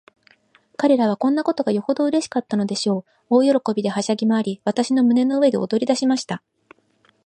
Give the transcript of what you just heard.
彼等はこんなことがよほどうれしかったのでしょう。大喜びで、はしゃぎまわり、私の胸の上で踊りだしました。